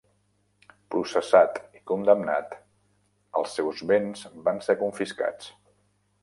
Processat i condemnat, els seus béns van ser confiscats.